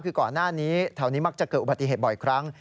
คือก่อนหน้านี้แถวนี้มักจะเกิดอุบัติเหตุบ่อยครั้ง